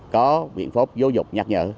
có viện phốc vô dục nhạt nhở